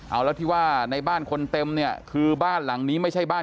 เอาแล้วที่ว่าในบ้านคนเต็มเนี่ยคือบ้านหลังนี้ไม่ใช่บ้าน